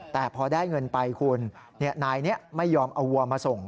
แต่พอได้เงินไปคุณนายนี้ไม่ยอมเอาวัวมาส่ง